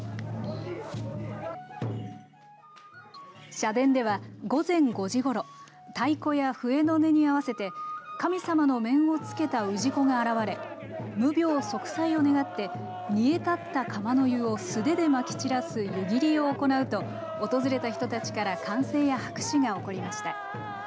社殿では午前５時ごろ太鼓や笛の音に合わせて神様の面をつけた氏子が現れ無病息災を願って煮え立った釜の湯を素手でまき散らす湯切りを行うと訪れた人たちから歓声や拍手が起こりました。